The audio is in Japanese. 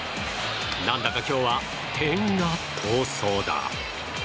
何だか今日は点が遠そうだ。